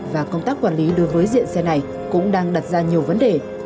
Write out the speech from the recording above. và công tác quản lý đối với diện xe này cũng đang đặt ra nhiều vấn đề